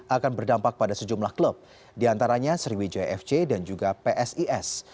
akan berdampak pada sejumlah klub diantaranya sriwijaya fc dan juga psis